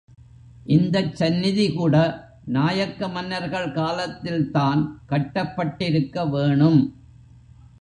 இந்தச் சந்நிதிகூட நாயக்க மன்னர்கள் காலத்தில்தான் கட்டப்பட்டிருக்க வேணும்.